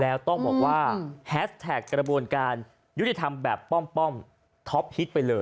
แล้วต้องบอกว่าแฮสแท็กกระบวนการยุติธรรมแบบป้อมท็อปฮิตไปเลย